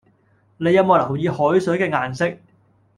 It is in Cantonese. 你有冇留意海水嘅顏色